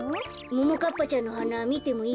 ももかっぱちゃんのはなみてもいい？